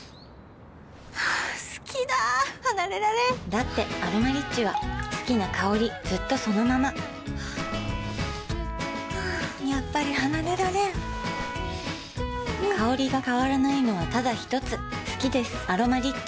好きだ離れられんだって「アロマリッチ」は好きな香りずっとそのままやっぱり離れられん香りが変わらないのはただひとつ好きです「アロマリッチ」